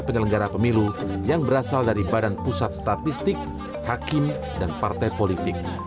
penyelenggara pemilu yang berasal dari badan pusat statistik hakim dan partai politik